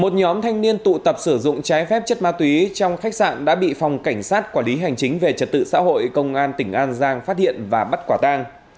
một nhóm thanh niên tụ tập sử dụng trái phép chất ma túy trong khách sạn đã bị phòng cảnh sát quản lý hành chính về trật tự xã hội công an tỉnh an giang phát hiện và bắt quả tang